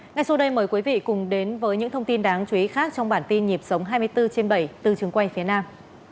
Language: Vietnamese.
ngay sau đây mời quý vị cùng đến với những thông tin đáng chú ý khác trong bản tin nhịp sống hai mươi bốn trên bảy từ trường quay phía nam